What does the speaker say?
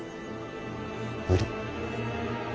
無理。